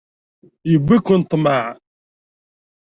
Yewwi-ken ṭṭmeɛ.